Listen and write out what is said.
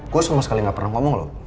gue sama sekali gak pernah ngomong loh